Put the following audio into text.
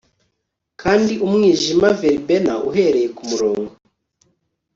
Kandi umwijima Verbenna uhereye kumurongo